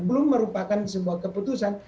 belum merupakan sebuah keputusan